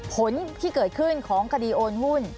ผลที่เกิดขึ้นของคดีโอนหุ้น